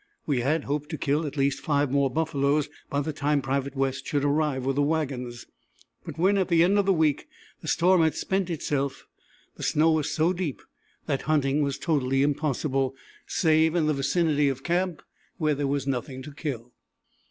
We had hoped to kill at least five more buffaloes by the time Private West should arrive with the wagons; but when at the end of a week the storm had spent itself, the snow was so deep that hunting was totally impossible save in the vicinity of camp, where there was nothing to kill.